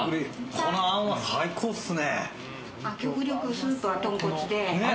このあんは最高っすね。